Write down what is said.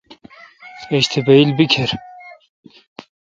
ایج تہ بییل بیکھر۔